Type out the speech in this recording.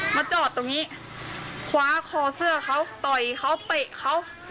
มาจอดตรงนี้คว้าคอเสื้อเขาต่อยเขาเตะเขา